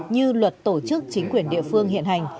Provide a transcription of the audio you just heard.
như luật tổ chức chính quyền địa phương hiện hành